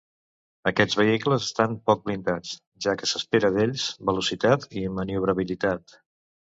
Aquests vehicles estan poc blindats, ja que s'espera d'ells velocitat i maniobrabilitat.